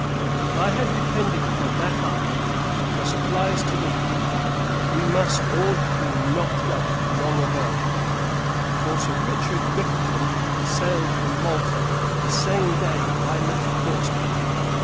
If I had depended upon that island, for supplies for the fleet, we must all have been knocked up, long ago; for, Sir Richard Bickerton sailed from Malta, the same day I left Portsmouth.